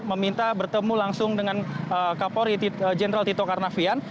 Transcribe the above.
meminta bertemu langsung dengan kapolri jenderal tito karnavian